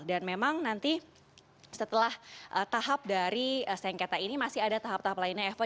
dan memang nanti setelah tahap dari sengketa ini masih ada tahap tahap lainnya eva